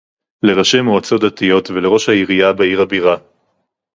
לראשי מועצות דתיות ולראש העירייה בעיר הבירה